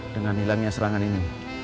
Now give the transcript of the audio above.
dengan hilangnya serangan ini